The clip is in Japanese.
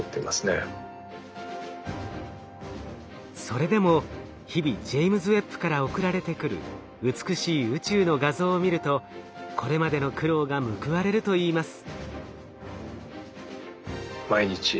それでも日々ジェイムズ・ウェッブから送られてくる美しい宇宙の画像を見るとこれまでの苦労が報われるといいます。